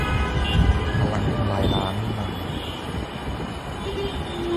พลังทำลายล้างนี่มัน